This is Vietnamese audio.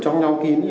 ở trong nhau kín